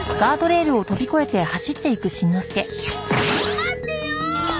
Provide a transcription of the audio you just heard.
待ってよ！